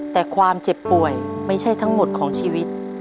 แต่ความเจ็บป่วยไม่ใช่ทั้งหมดของชีวิต